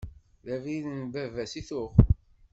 D abrid n baba-s i tuɣ.